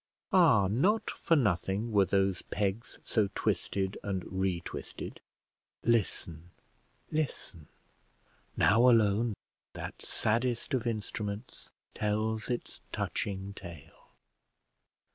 Ah, not for nothing were those pegs so twisted and re twisted; listen, listen! Now alone that saddest of instruments tells its touching tale.